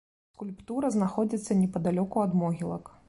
Скульптура знаходзіцца непадалёку ад могілак.